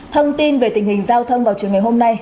thông tin về tình hình giao thông vào trường ngày hôm nay